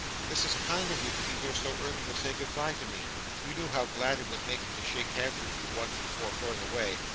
This is kind of you, to be here so early to say good bye to me. You knew how glad it would make me to shake hands with you, once, before going away.